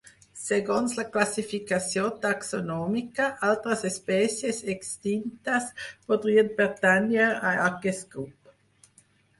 Segons la classificació taxonòmica, altres espècies extintes podrien pertànyer a aquest grup.